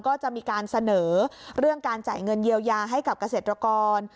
ก็จะมีการเสนอเรื่องการจ่ายเงินเยียวยาให้กับเกษตรกร